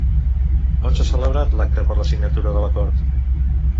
On s'ha celebrat l'acte per la signatura de l'acord?